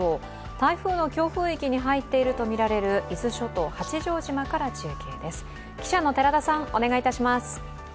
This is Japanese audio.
台風の強風域に入っているとみられる伊豆諸島・八丈島から中継です